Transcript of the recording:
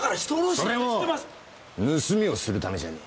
それも盗みをするためじゃねえ。